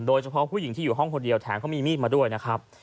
โดยเฉพาะผู้หญิงที่อยู่ห้องคนเดียวแถมเขามีมีดมาด้วยนะครับ